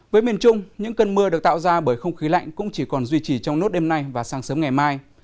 với miền trung những cơn mưa được tạo ra bởi không khí lạnh cũng chỉ còn duy trì trong nốt đêm nay và sáng sớm ngày mai